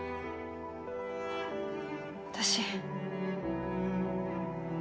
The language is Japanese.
私。